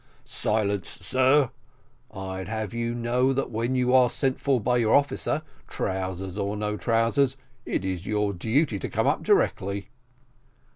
"Silence, sir; I'd have you to know that when you are sent for by your officer, trousers or no trousers, it is your duty to come up directly."